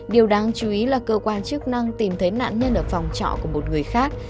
điều đáng chú ý là cơ quan chức năng tìm thấy nạn nhân ở phòng trọ của một người khác